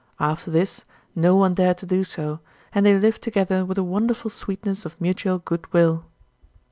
After this no one dared to do so, and they lived together with a wonderful sweetness of mutual good will.